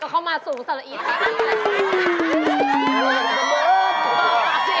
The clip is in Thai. ก็เข้ามาสู่สละอีท